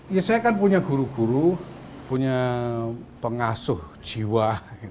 ya saya kan punya guru guru punya pengasuh jiwa